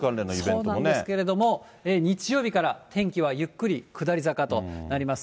そうなんですけれども、日曜日から天気はゆっくり下り坂となります。